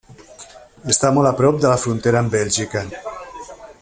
Està molt a prop de la frontera amb Bèlgica.